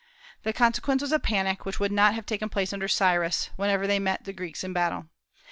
The consequence was a panic, which would not have taken place under Cyrus, whenever they met the Greeks in battle.